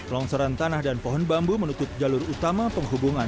longsoran tanah dan pohon bambu menutup jalur utama penghubungan